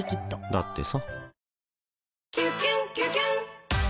だってさ